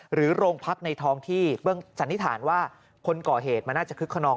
หรือโรงพักในท้องที่เบื้องสันนิษฐานว่าคนก่อเหตุมันน่าจะคึกขนอง